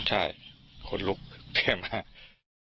ใช่ขนลุกเท่าไหร่มาก